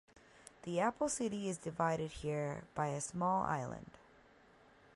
The apple city is divided here by a small island.